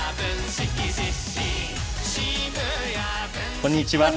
こんにちは。